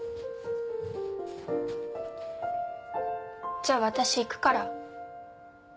じゃあ私行くから。